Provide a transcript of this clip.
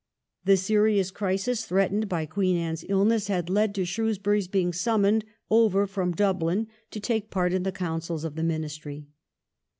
The serious crisis threatened by Queen Anne's ill ness had led to Shrewsbury's being summoned over from Dublin to take part in the councils of the Ministry.